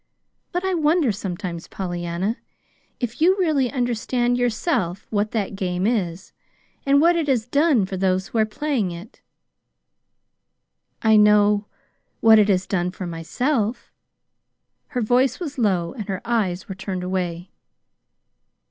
"But I wonder sometimes, Pollyanna, if you really understand yourself what that game is, and what it has done for those who are playing it." "I know what it has done for myself." Her voice was low, and her eyes were turned away.